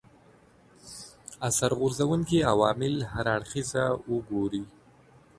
اثر غورځونکي عوامل هر اړخیزه وګوري